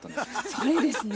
それですね。